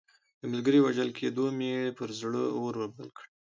د ملګري وژل کېدو مې پر زړه اور رابل کړ.